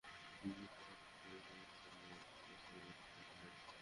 কিন্তু মাঠে গড়ানোর দুই দিন আগে কালই সেটি পরিত্যক্ত ঘোষিত হয়েছে।